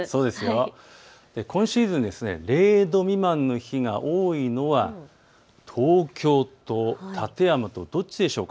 今シーズン０度未満の日が多いのは東京と館山とどっちでしょうか。